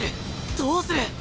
どうする！？